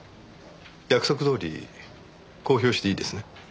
約束どおり公表していいですね？